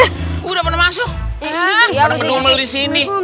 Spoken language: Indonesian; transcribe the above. pada penumel disini